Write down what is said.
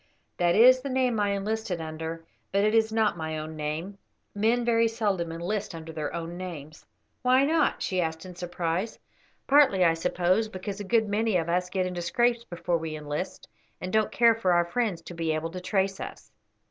"That is the name I enlisted under, it is not my own name; men very seldom enlist under their own names." "Why not?" she asked in surprise. "Partly, I suppose, because a good many of us get into scrapes before we enlist, and don't care for our friends to be able to trace us."